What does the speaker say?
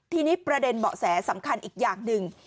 ทีนี้ประเด็นเบาะแสสำคัญอีกอย่างหนึ่ง